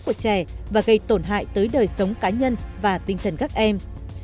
của trẻ và gây tổn hại tới đời sống cá nhân và tinh thần các em